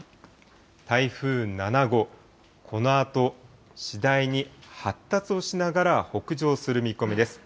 台風７号、このあと、次第に発達をしながら北上する見込みです。